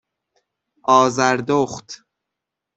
آذردخت